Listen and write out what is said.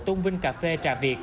tôn vinh cà phê trà việt